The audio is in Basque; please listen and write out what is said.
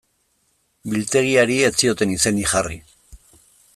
Biltegiari ez zioten izenik jarri.